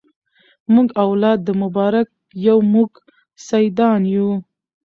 موږ اولاد د مبارک یو موږ سیدان یو